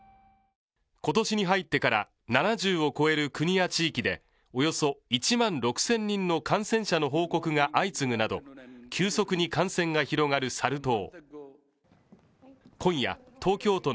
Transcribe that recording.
今年に入ってから７０を超える国や地域でおよそ１万６０００人の感染者の報告が相次ぐなど急速に感染が広がるサル痘。